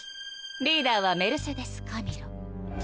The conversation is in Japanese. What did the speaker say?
リーダーはメルセデス・カミロ。